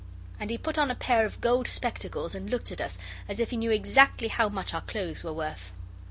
And he put on a pair of gold spectacles and looked at us as if he knew exactly how much our clothes were worth.